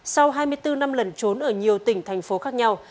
sau hai mươi bốn năm lần trốn ở nhiều tỉnh thành phố khác nhau